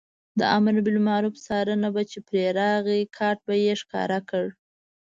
د امربالمعروف څار به چې پرې راغی کارټ به یې ښکاره کړ.